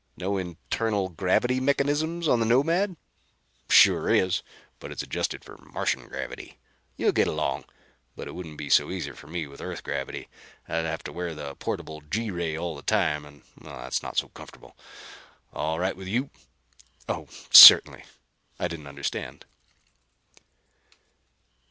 "No internal gravity mechanism on the Nomad?" "Sure is. But it's adjusted for Martian gravity. You'll get along, but it wouldn't be so easy for me with Earth gravity. I'd have to wear the portable G ray all the time, and that's not so comfortable. All right with you?" "Oh, certainly. I didn't understand."